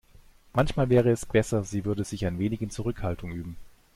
Manchmal wäre es besser, sie würde sich ein wenig in Zurückhaltung üben.